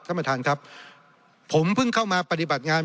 ท่านประธานครับผมเพิ่งเข้ามาปฏิบัติงาน